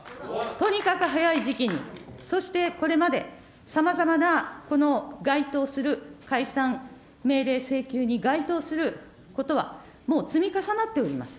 とにかく早い時期に、そしてこれまでさまざまな該当する解散命令請求に該当することは、もう積み重なっております。